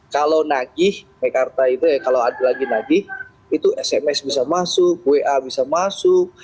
kalau nagih mekarta itu ya kalau lagi nagih itu sms bisa masuk wa bisa masuk